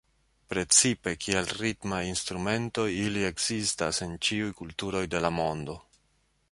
Precipe kiel ritmaj instrumentoj ili ekzistas en ĉiuj kulturoj de la mondo.